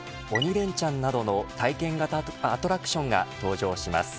レンチャンなどの体験型アトラクションが登場します。